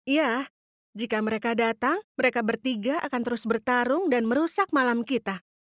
ya jika mereka datang mereka bertiga akan terus bertarung dan merusak malam kita